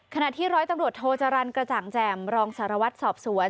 ขณะที่ร้อยตำรวจโทจรรย์กระจ่างแจ่มรองสารวัตรสอบสวน